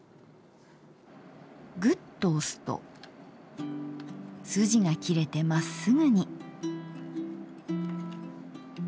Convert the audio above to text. グッと押すとスジが切れてまっすぐに。